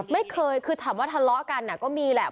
ไม่เคยคือถามว่าทะเลาะกันก็มีแหละ